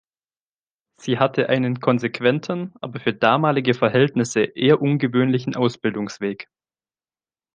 Sie hatte einen konsequenten, aber für damalige Verhältnisse eher ungewöhnlichen Ausbildungsweg.